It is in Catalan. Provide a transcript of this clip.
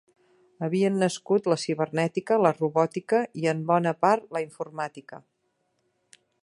Havien nascut la cibernètica, la robòtica i, en bona part, la informàtica.